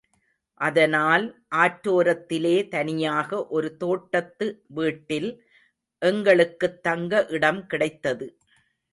அதனால் ஆற்றோரத்திலே தனியாக ஒரு தோட்டத்து வீட்டில் எங்களுக்குத் தங்க இடம் கிடைத்தது.